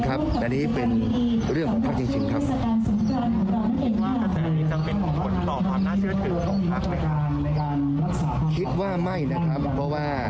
ความเป็นหุ่นตีอีกไหมครับก็ไม่ฐานเจ้าตัวนะครับเพราะว่า